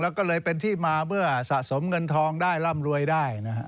มันเป็นที่มาเมื่อสะสมเงินทองลำรวยได้